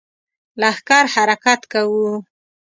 لښکر حرکت کوو.